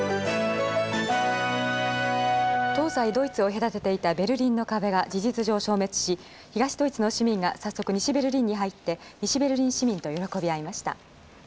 東西ドイツを隔てていたベルリンの壁が事実上消滅し東ドイツの市民が早速西ベルリンに入って西ベルリン市民と喜び合いました。